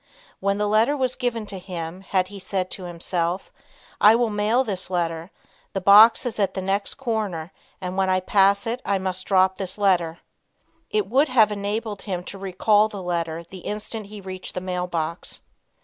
When the letter was given to him had he said to himself, "I will mail this letter. The box is at the next corner and when I pass it I must drop this letter," it would have enabled him to recall the letter the instant he reached the mail box.